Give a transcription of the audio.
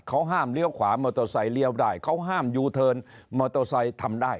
เขาห้ามเลี้ยวขวามอเตอร์ไซค์เลี้ยวได้เขาห้ามยูเทิร์นมอเตอร์ไซค์ทำได้